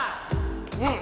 うん。